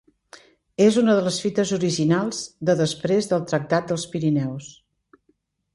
És una de les fites originals de després del Tractat dels Pirineus.